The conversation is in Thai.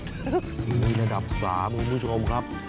มีระดับ๓คุณผู้ชมครับ